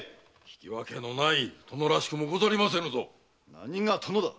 何が“殿”だ！